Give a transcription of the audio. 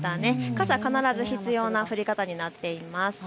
傘、必ず必要な降り方になっています。